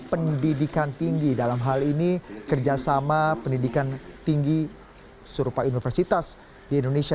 pendidikan tinggi dalam hal ini kerjasama pendidikan tinggi serupa universitas di indonesia